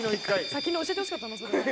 先に教えてほしかった。